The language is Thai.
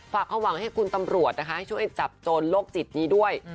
ความหวังให้คุณตำรวจนะคะให้ช่วยจับโจรโรคจิตนี้ด้วย